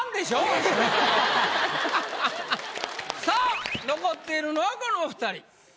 さぁ残っているのはこの２人。